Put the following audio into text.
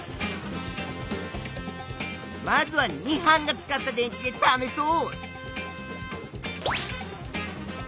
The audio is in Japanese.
まずは２班が使った電池で試そう！